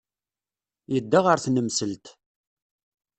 Yedda ɣer tnemselt.